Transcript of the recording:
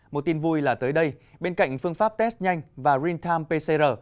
một tin vui là tới đây bên cạnh phương pháp test nhanh và real time pcr